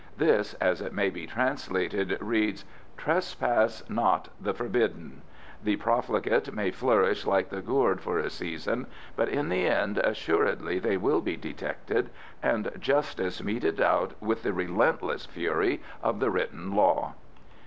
This, as it may be translated, reads, "Trespass not the forbidden. The profligate may flourish like the gourd for a season, but in the end assuredly they will be detected, and justice meted out with the relentless fury of the written law."